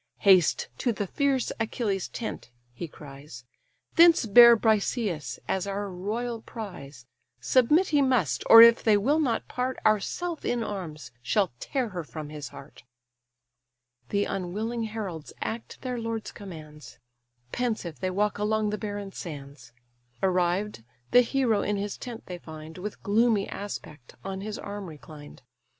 "Haste to the fierce Achilles' tent (he cries), Thence bear Briseïs as our royal prize: Submit he must; or if they will not part, Ourself in arms shall tear her from his heart." The unwilling heralds act their lord's commands; Pensive they walk along the barren sands: Arrived, the hero in his tent they find, With gloomy aspect on his arm reclined.